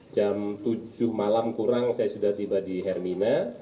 jam tujuh malam kurang saya sudah tiba di hermina